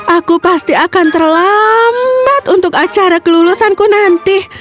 aku pasti akan terlambat untuk acara kelulusanku nanti